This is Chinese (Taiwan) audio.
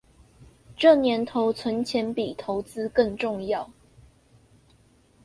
這年頭存錢比投資更重要